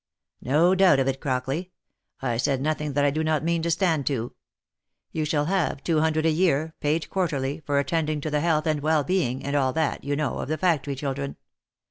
" No doubt of it, Crockley. I said nothing that I do not mean to stand to. You shall have two hundred a year, paid quarterly, for attending to the health and wellbeing, and all that, you know, of the factory children.